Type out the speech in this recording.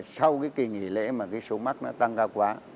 sau cái kỳ nghỉ lễ mà cái số mắc nó tăng cao quá